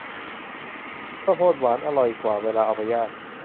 ข้าวโพดหวานอร่อยกว่าเวลาเอาไปย่าง